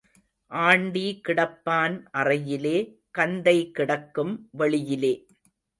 Aunty கிடப்பான் அறையிலே கந்தை கிடக்கும் வெளியிலே.